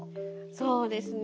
そうですね。